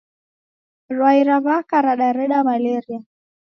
Rwai ra w'aka radareda maleria.